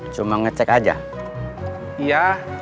sama kang murad juga